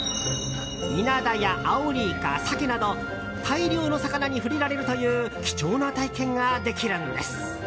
イナダやアオリイカ、サケなど大量の魚に触れられるという貴重な体験ができるんです。